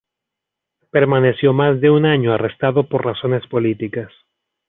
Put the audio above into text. Permaneció más de un año arrestado por razones políticas.